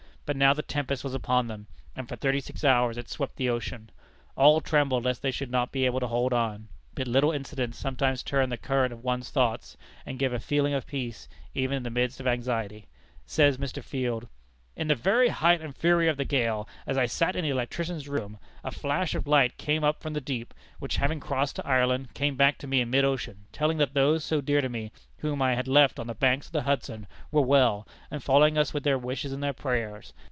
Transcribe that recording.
But now the tempest was upon them, and for thirty six hours it swept the ocean. All trembled lest they should not be able to hold on. But little incidents sometimes turn the current of one's thoughts, and give a feeling of peace even in the midst of anxiety. Says Mr. Field: "In the very height and fury of the gale, as I sat in the electrician's room, a flash of light came up from the deep, which having crossed to Ireland, came back to me in mid ocean, telling that those so dear to me, whom I had left on the banks of the Hudson, were well, and following us with their wishes and their prayers.